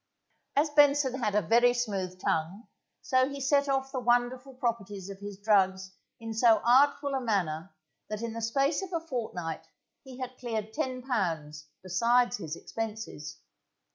As Benson had a very smooth tongue, so he set off the wonderful properties of his drugs in so artful a manner that in the space of a fortnight he had cleared £10 besides his expenses.